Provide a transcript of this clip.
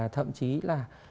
thậm chí là